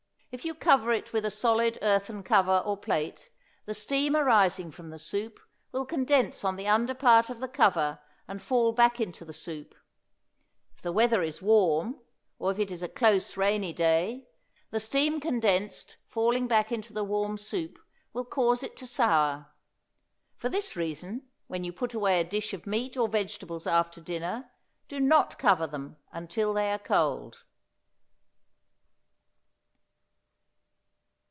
If you cover it with a solid earthen cover or plate the steam arising from the soup will condense on the under part of the cover and fall back into the soup; if the weather is warm, or if it is a close, rainy day, the steam condensed falling back into the warm soup will cause it to sour. For this reason when you put away a dish of meat or vegetables after dinner do not cover them until they are cold.